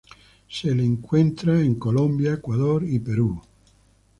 Se la encuentra en Colombia, Ecuador, y Perú.